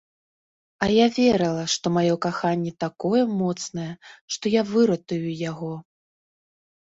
А я верыла, што маё каханне такое моцнае, што я выратую яго.